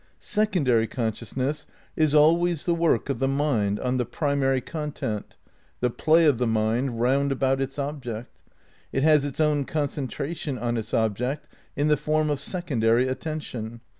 Secondary consciousness is always the work of the mind on the primary content, the play of the mind round about its object. It has its own concentration on its object in the form of secondary attention.